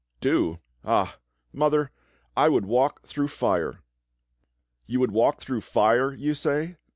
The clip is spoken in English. "Do? Ah! Mother, I would \valk through fire." "You would walk through fire, you say?"